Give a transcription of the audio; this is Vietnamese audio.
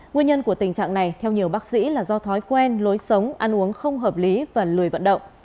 nguyên nhân của tình trạng này theo nhiều bác sĩ là do thói quen lối sống ăn uống không hợp lý và lười vận động